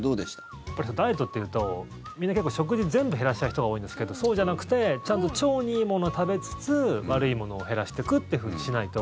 ダイエットっていうとみんな結構、食事全部減らす人が多いんですがそうじゃなくてちゃんと腸にいいものを食べつつ悪いものを減らしていくというふうにしないと。